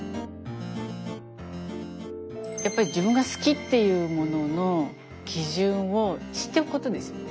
やっぱり自分が好きっていうものの基準を知っておくことですよね。